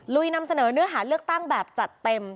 ลุยนำเสนอเนื้อหาเลือกตั้งแบบจัดเต็ม